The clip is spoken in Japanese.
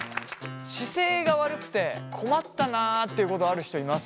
姿勢が悪くて困ったなっていうことある人います？